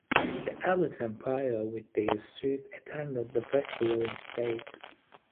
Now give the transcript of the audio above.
The abbot and prior with their suite attended the festival in state.